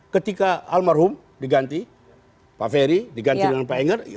ketika almarhum diganti pak ferry diganti dengan pak enger